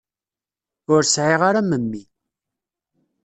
Ur sɛiɣ ara memmi.